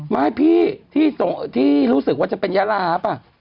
ไม่พี่ที่รู้สึกว่าจะเป็นยาลาป่ะ